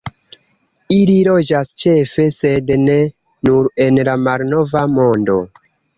Ili loĝas ĉefe, sed ne nur en la Malnova Mondo.